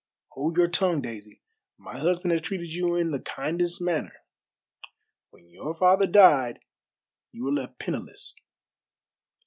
"Hold your tongue, Daisy. My husband has treated you in the kindest manner. When your father died you were left penniless.